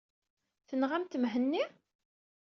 Tenɣamt Mhenni?